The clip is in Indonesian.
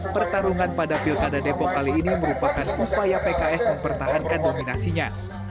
pertarungan pada pilkada depok kali ini merupakan upaya pks mempertahankan dominasinya